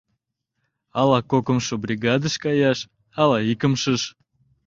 Ала кокымшо бригадыш каяш, ала икымшыш...